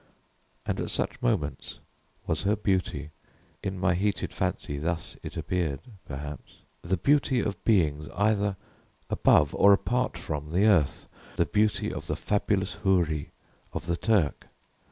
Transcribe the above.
And at such moments was her beauty in my heated fancy thus it appeared perhaps the beauty of beings either above or apart from the earth the beauty of the fabulous Houri of the Turk.